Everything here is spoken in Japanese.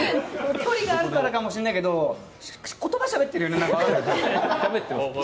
距離があるからかもしれないけど、言葉しゃべってるよね。